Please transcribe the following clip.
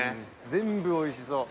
全部おいしそう。